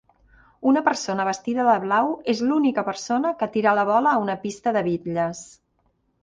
Una persona vestida de blau és l'única persona que tira la bola a una pista de bitlles.